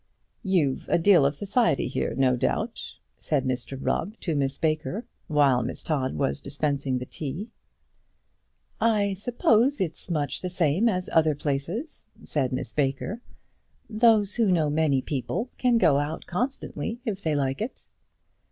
"You've a deal of society here, no doubt," said Mr Rubb to Miss Baker, while Miss Todd was dispensing her tea. "I suppose it's much the same as other places," said Miss Baker. "Those who know many people can go out constantly if they like it."